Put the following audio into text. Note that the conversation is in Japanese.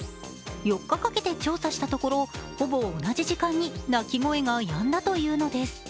４日かけて調査したところ、ほぼ同じ時間に鳴き声がやんだというのです。